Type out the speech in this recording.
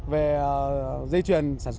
về dây chuyền